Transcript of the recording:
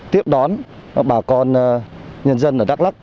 tiếp đón bà con nhân dân ở đắk lắc